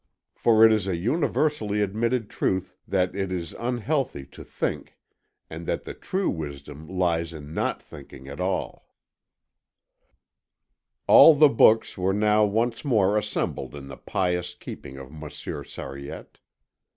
FOR IT IS A UNIVERSALLY ADMITTED TRUTH THAT IT IS UNHEALTHY TO THINK AND THAT TRUE WISDOM LIES IN NOT THINKING AT ALL All the books were now once more assembled in the pious keeping of Monsieur Sariette.